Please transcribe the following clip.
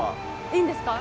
いいんですか？